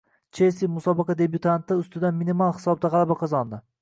“Chelsi” musobaqa debyutanti ustidan minimal hisobda g‘alaba qozondi